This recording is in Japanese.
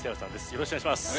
よろしくお願いします